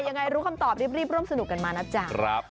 ยังไงรู้คำตอบรีบร่วมสนุกกันมานะจ๊ะ